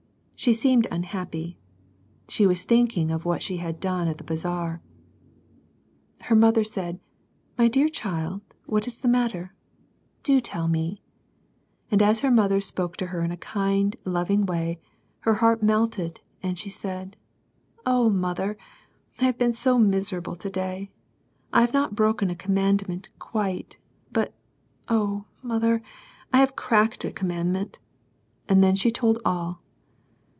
She seemed unhappy. She was thinking of what she had done at the " Bazaar." Her mother said, " My dear child, what is the matter ? Do tell me." And as her mother spoke to her in a kind, loving way, her heart was melted, and she said, " Oh, mother, I have been so miserable to day. I have not bro ken a commandment quite. But oh, mother, I have cracked a commandment :" and then she told all.